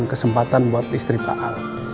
kesempatan buat istri pak al